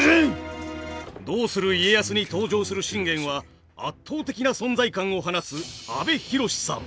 「どうする家康」に登場する信玄は圧倒的な存在感を放つ阿部寛さん。